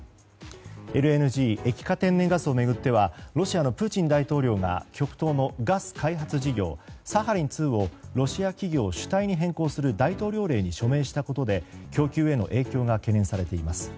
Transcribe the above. ＬＮＧ・液化天然ガスを巡ってはロシアのプーチン大統領が極東のガス開発事業サハリン２をロシア企業主体に変更する大統領令に署名したことで、供給への影響が懸念されています。